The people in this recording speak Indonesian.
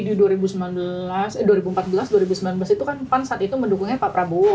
di dua ribu empat belas dua ribu sembilan belas itu kan pan saat itu mendukungnya pak prabowo